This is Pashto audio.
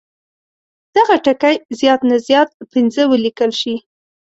دغه ټکي زیات نه زیات پنځه ولیکل شي.